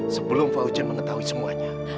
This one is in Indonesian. sebelum fauzan mengetahui semuanya